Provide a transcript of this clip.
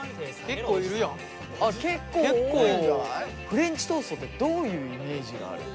フレンチトーストってどういうイメージがある？